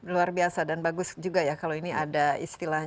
luar biasa dan bagus juga ya kalau ini ada istilahnya